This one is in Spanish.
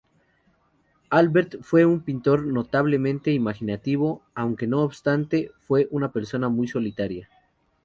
Albert fue un pintor notablemente imaginativo, aunque no obstante, fue una persona muy solitaria.